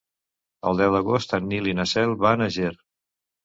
El deu d'agost en Nil i na Cel van a Ger.